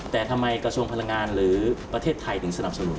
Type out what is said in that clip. แต่ทำไมกระทรวงพลังงานหรือประเทศไทยถึงสนับสนุน